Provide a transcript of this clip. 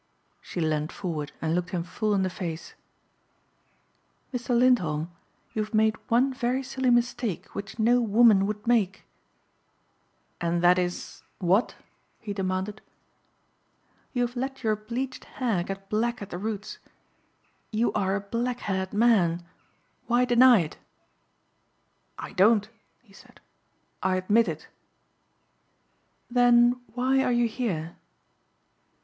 She leaned forward and looked him full in the face, "Mr. Lindholm, you have made one very silly mistake which no woman would make." "And that is what?" he demanded. "You have let your bleached hair get black at the roots. You are a blackhaired man. Why deny it?" "I don't," he said. "I admit it." "Then why are you here?"